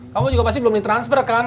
kamu juga pasti belum ditransfer kan